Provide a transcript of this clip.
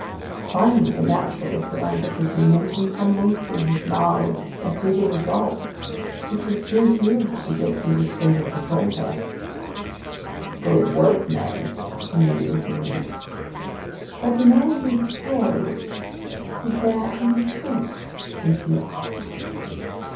"Finally, the naturalists of antiquity mention some monsters with mouths as big as a gulf, which were too huge to get through the Strait of Gibraltar." "Good work, men!" the Canadian put in. "But in all these stories, is there any truth?" Conseil asked.